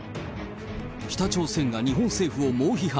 北朝鮮が日本政府を猛批判。